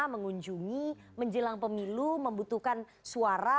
mengunjungi menjelang pemilu membutuhkan suara